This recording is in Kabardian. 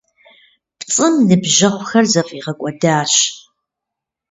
ПцӀым ныбжьэгъухэр зэфӀигъэкӀуэдащ.